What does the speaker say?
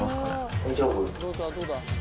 大丈夫？